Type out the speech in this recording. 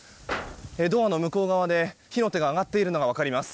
ドアの向こう側で火の手が上がっているのが分かります。